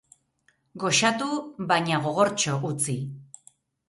Goxatu, baina gogortxo utzi.